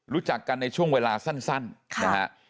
รู้จักกันในช่วงเวลาสั้นนะฮะ